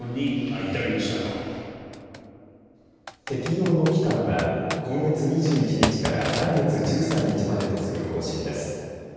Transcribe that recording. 適用の期間は今月２１日から来月１３日までとする方針です。